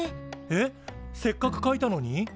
えっせっかく書いたのに？